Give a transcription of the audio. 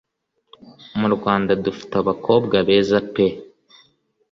Mu Rwanda dufite abakobwa beza pee